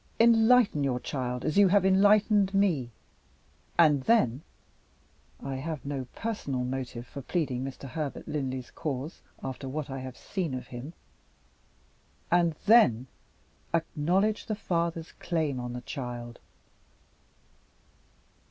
Enlighten your child as you have enlightened me; and then I have no personal motive for pleading Mr. Herbert Linley's cause, after what I have seen of him and then, acknowledge the father's claim on the child."